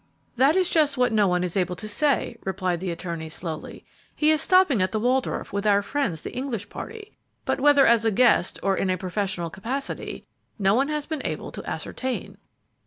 "That is just what no one is able to say," replied the attorney, slowly. "He is stopping at the Waldorf, with our friends, the English party, but whether as a guest or in a professional capacity, no one has been able to ascertain."